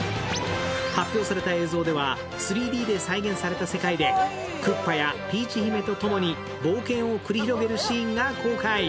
発表された映像では、３Ｄで再現された世界でクッパやピーチ姫と共に冒険を繰り広げるシーンが公開。